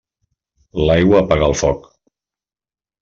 L'aigua apaga el foc.